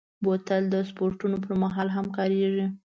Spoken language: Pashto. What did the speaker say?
بوتل د سپورټونو پر مهال هم کارېږي.